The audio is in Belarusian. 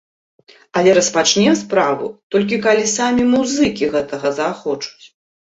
Але распачнем справу, толькі калі самі музыкі гэтага захочуць.